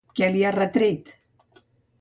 Què li ha retret?